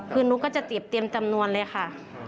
คือหนูก็จะเตรียมจำนวนเลยค่ะ